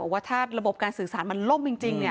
ว่าถ้าระบบการสื่อสารล้มจริงจริง